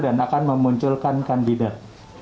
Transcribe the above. dan akan memunculkan kandidat